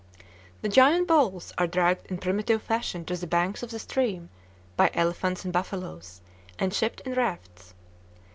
The "giant boles" are dragged in primitive fashion to the banks of the stream by elephants and buffaloes, and shipped in rafts.